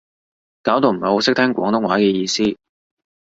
搞到唔係好識聽廣東話嘅意思